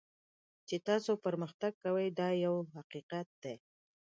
چې تاسو پرمختګ کوئ دا یو حقیقت دی.